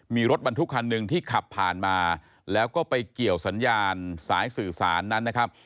มีรถบรรทุกคันหนึ่งที่ขับผ่านมาแล้วก็ไปเกี่ยวสัญญาณสายสื่อสารนั้นนะครับ